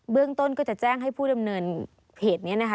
เรื่องต้นก็จะแจ้งให้ผู้ดำเนินเพจนี้นะคะ